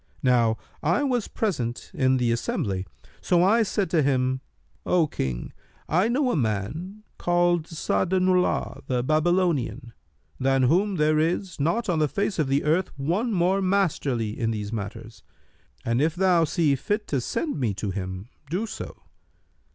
Now I was present in the assembly; so I said to him, 'O King, I know a man called Sa'adu'llбh the Babylonian, than whom there is not on the face of the earth one more masterly in these matters, and if thou see fit to send me to him, do so.'